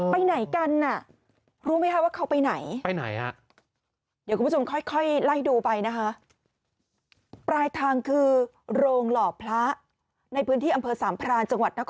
ไปไหนกันน่ะรู้ไหมคะว่าเขาไปไหน